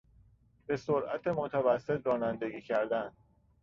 به سرعت متوسط رانندگی کردن